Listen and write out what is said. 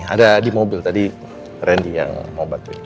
ada di mobil tadi randy yang mau bantuin